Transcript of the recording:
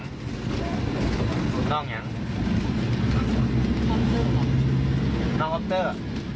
น้องคอปเตอร์